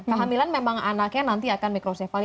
kehamilan memang anaknya nanti akan mikrosefali